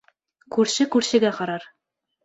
Күрше күршегә ҡарар.